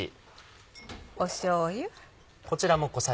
しょうゆ。